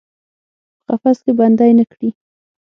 په قفس کې بندۍ نه کړي